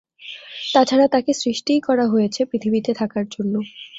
তাছাড়া তাঁকে সৃষ্টিই করা হয়েছে পৃথিবীতে থাকার জন্য।